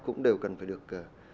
cũng đều cần phải được